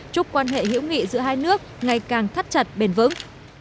chúc quan hệ hữu nghị giữa hai nước ngày càng thắt chặt bền vững